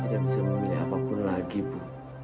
saya tidak bisa memilih apapun lagi bu